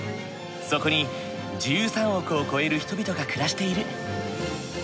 そこに１３億を超える人々が暮らしている。